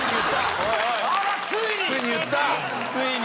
ついに。